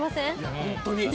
本当に。